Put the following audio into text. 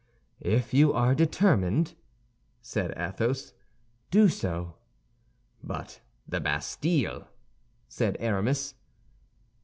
"If you are determined," said Athos, "do so." "But the Bastille?" said Aramis.